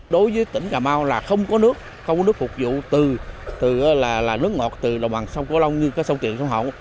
đối với tỉnh cà mau là không có nước không có nước phục vụ từ nước ngọt từ đồng bằng sông kiều long như sông tiền sông hồng